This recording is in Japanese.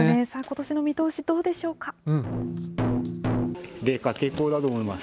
さあ、ことしの見通し、どうでしょうか。